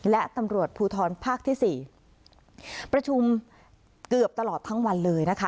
และตำรวจภูทรภาคที่สี่ประชุมเกือบตลอดทั้งวันเลยนะคะ